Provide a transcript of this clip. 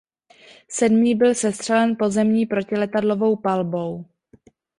Sedmý byl sestřelen pozemní protiletadlovou palbou.